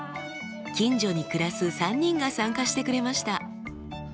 近所に暮らす３人が参加してくれました。